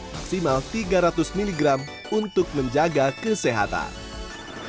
maksimal tiga ratus miligram untuk menjaga kesehatan